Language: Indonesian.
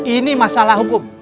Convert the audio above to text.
ini masalah hukum